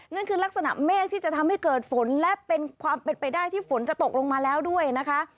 นั่นคือลักษณะเมฆที่จะทำให้เกิดฝนและเป็นความเป็นไปได้ที่ฝนจะตกลงมาแล้วด้วยนะคะ